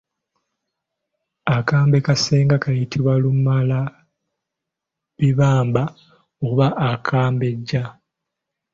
Akambe ka ssenga kayitibwa lumalabibamba oba akambejja.